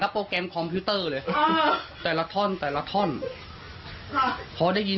โปรแกรมคอมพิวเตอร์เลยแต่ละท่อนแต่ละท่อนค่ะพอได้ยิน